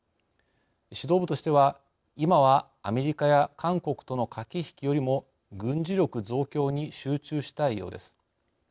指導部としては今はアメリカや韓国との駆け引きよりも軍事力増強に集中したいようです。